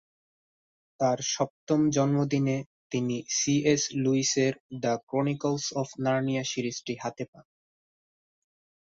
তার সপ্তম জন্মদিনে তিনি সি এস লুইস এর "দ্য ক্রনিকলস অফ নার্নিয়া" সিরিজটি হাতে পান।